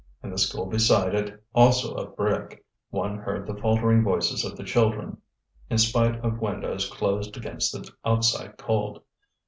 In the school beside it, also of brick, one heard the faltering voices of the children, in spite of windows closed against the outside cold.